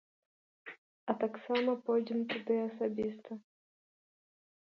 А таксама пойдзем туды асабіста.